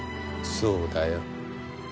そうだよ。